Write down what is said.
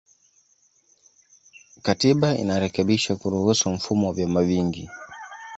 Katiba inarekebishwa kuruhusu mfumo wa vyama vingi